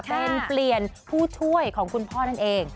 เป็นเปลี่ยนผู้ช่วยของคุณพ่อนั่นเอง